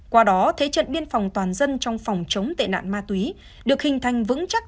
qua đó thế trận biên phòng toàn dân trong phòng chống tệ nạn ma túy được hình thành vững chắc